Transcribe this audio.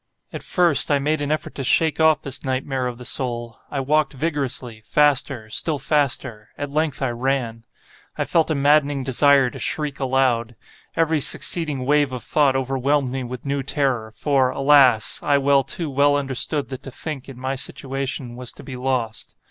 At first, I made an effort to shake off this nightmare of the soul. I walked vigorously—faster—still faster—at length I ran. I felt a maddening desire to shriek aloud. Every succeeding wave of thought overwhelmed me with new terror, for, alas! I well, too well understood that to think, in my situation, was to be lost.